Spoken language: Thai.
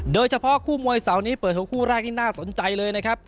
โดยเฉพาะคู่มวยเสาร์นี้เปิด๖คู่แรกนี่น่าสนใจเลยนะครับ